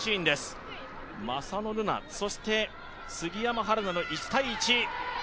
正野瑠菜、そして杉山遥菜の１対１。